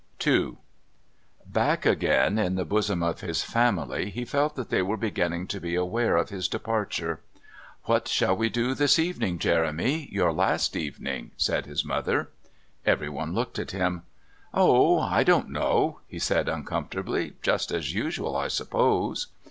II Back again in the bosom of his family he felt that they were beginning to be aware of his departure. "What shall we do this evening, Jeremy your last evening?" said his mother. Everyone looked at him. "Oh, I don't know," he said uncomfortably. "Just as usual, I suppose."